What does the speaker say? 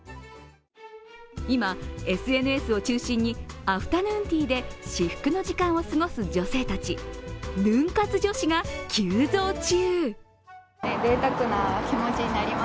今、ＳＮＳを中心にアフタヌーンティーで至福の時間を過ごす女性たち、ヌン活女子が急増中。